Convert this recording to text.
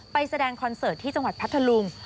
แสดงคอนเสิร์ตที่จังหวัดพัทธลุง